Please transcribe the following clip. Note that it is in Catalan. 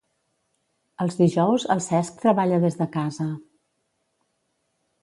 Els dijous el Cesc treballa des de casa.